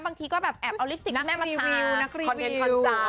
บางทีก็แบบแอบเอาลิปสิทธิ์แม่มาทานนักรีวิวนักรีวิวคอนเด็นคอนเจ้า